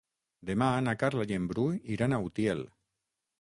Demà na Carla i en Bru iran a Utiel.